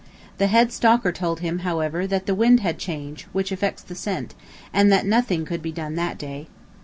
The head stalker told him, however, that the wind had changed which affects the scent, and that nothing could be done that day.